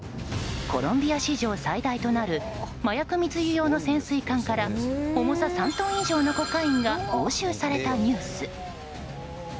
コロンビア史上最大となる麻薬密輸用の潜水艦から重さ３トン以上のコカインが押収されたニュース。